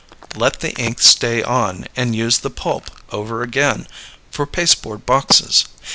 Let the ink stay on and use the pulp over again for pasteboard boxes.